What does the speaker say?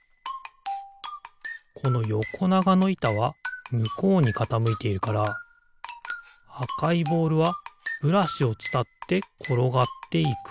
このよこながのいたはむこうにかたむいているからあかいボールはブラシをつたってころがっていく。